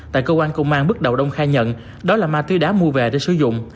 tại cơ quan công an bước đầu đông khai nhận đó là ma túy đá mua về để sử dụng